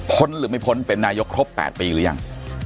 หรือไม่พ้นเป็นนายกครบ๘ปีหรือยัง